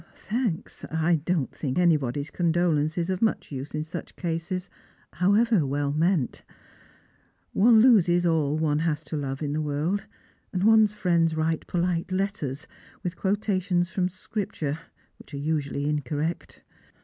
" Thanks. I don't think anybody's condolence is of much use in such cases, however well meant. One loses all one has to love in the world, and one's friends write polite letters, with quotations from Sci'ipture, which are usually incorrect."